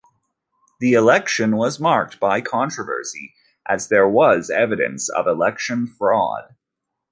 The election was marked by controversy as there was evidence of election fraud.